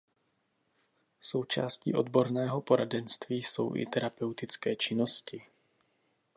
Součástí odborného poradenství jsou i terapeutické činnosti.